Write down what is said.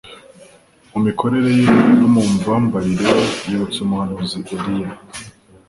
Mu mikorere ye no mu mvambarire ye yibutsa umuhanuzi Eliya.